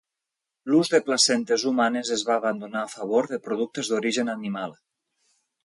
L'ús de placentes humanes es va abandonar a favor de productes d'origen animal.